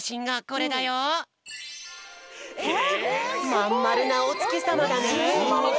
まんまるなおつきさまだね。